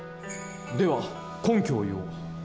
では根拠を言おう。